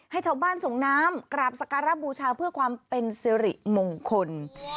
ให้ชาวบ้านส่งน้ำกราบสการบูชาเพื่อความเป็นสิริมงคล